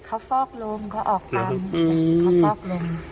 เขาฟอกลมเขาออกตามเขาฟอกลม